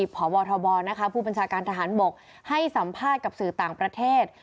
พบทบผู้บัญชาการทหารบกให้สัมภาษณ์กับสื่อต่างประเทศ